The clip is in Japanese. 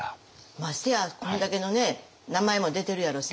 ましてやこれだけのね名前も出てるやろしね。